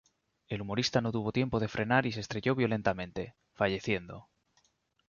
El humorista no tuvo tiempo de frenar y se estrelló violentamente, falleciendo.